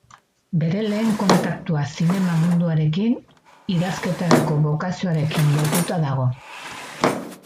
Bere lehen kontaktua zinema munduarekin idazketarako bokazioarekin lotuta dago.